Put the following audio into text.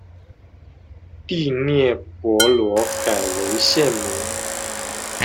第聂伯罗改为现名。